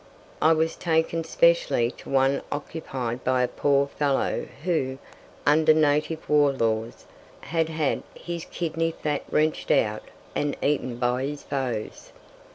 I was taken specially to one occupied by a poor fellow who, under native war laws, had had his kidney fat wrenched out and eaten by his foes.